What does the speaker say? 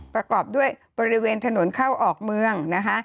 ประกอบด้วยบริเวณถนนเข้าออกเมืองนะคะ